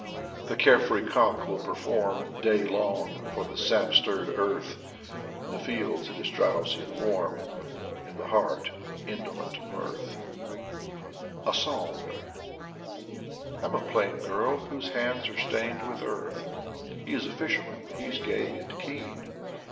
The carefree cock will perform Day long for the sap stirred earth. In the fields it is drowsy and warm. In the heart — indolent mirth. 94 Ivan Bunin A SONG Tm a plain girl, whose hands are stained with earth. He is a fisherman — he*s gay and keen.